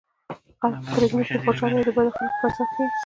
غل په ترږمۍ کې خوشحاله وي د بدو خلکو فرصت ښيي